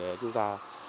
để chúng ta